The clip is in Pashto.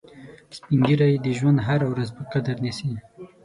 سپین ږیری د ژوند هره ورځ په قدر نیسي